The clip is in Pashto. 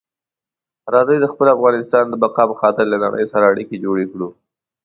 راځئ د خپل افغانستان د بقا په خاطر له نړۍ سره اړیکي جوړې کړو.